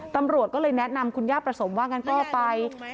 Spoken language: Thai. ตำรวจก็เลยแนะนำคุณย่าประสงค์ว่างั้นก็ไป